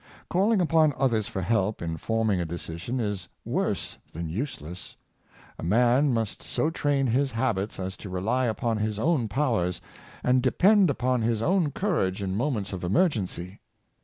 Calling upon others for help in forming a decision is worse than useless. A man must so train his habits as to rely upon his own powers, and depend upon his own courage in moments of emergency.